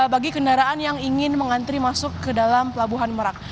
bagi kendaraan yang ingin mengantri masuk ke dalam pelabuhan merak